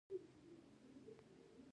د باد انرژۍ هیرول اشتباه ده.